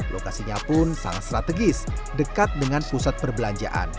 lokasinya pun sangat strategis dekat dengan pusat perbelanjaan